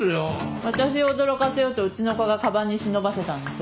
私を驚かせようとうちの子がかばんに忍ばせたんです。